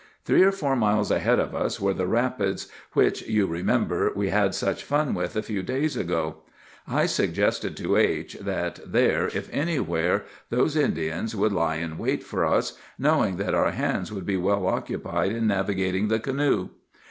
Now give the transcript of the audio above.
"Three or four miles ahead of us were the rapids which, you remember, we had such fun with a few days ago. I suggested to H—— that there, if anywhere, those Indians would lie in wait for us, knowing that our hands would be well occupied in navigating the canoe.